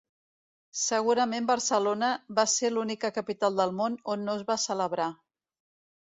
Segurament Barcelona va ser l’única capital del món on no es va celebrar.